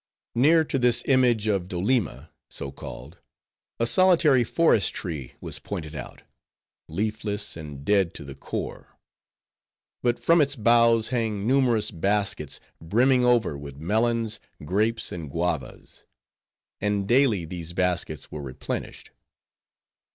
Near to this image of Doleema, so called, a solitary forest tree was pointed out; leafless and dead to the core. But from its boughs hang numerous baskets, brimming over with melons, grapes, and guavas. And daily these baskets were replenished.